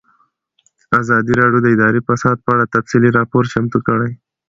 ازادي راډیو د اداري فساد په اړه تفصیلي راپور چمتو کړی.